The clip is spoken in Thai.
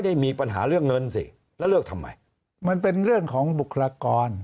มีปัญหาเรื่องเงินสิแล้วเลือกทำไมมันเป็นเรื่องของบุคลากร